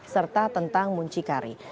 serta tentang muncikari